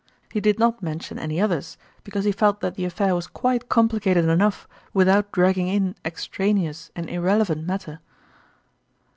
He did not mention any others, because he felt that the affair was quite complicated enough without dragging in extraneous and irrelevant matter.